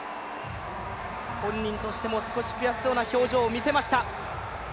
本人としても少し悔しそうな表情を見せていました。